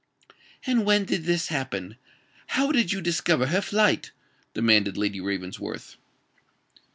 "And when did this happen? how did you discover her flight?" demanded Lady Ravensworth.